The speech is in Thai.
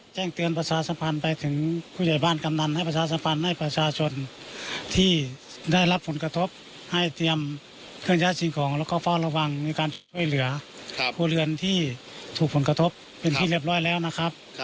แจ้งเตือนประชาสัมพันธ์ไปถึงผู้ใหญ่บ้านกำนันให้ประชาสัมพันธ์ให้ประชาชนที่ได้รับผลกระทบให้เตรียมเครื่องย้ายสิ่งของแล้วก็เฝ้าระวังในการช่วยเหลือครัวเรือนที่ถูกผลกระทบเป็นที่เรียบร้อยแล้วนะครับ